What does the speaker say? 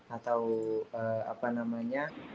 atau apa namanya